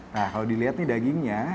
nah kalau dilihat nih dagingnya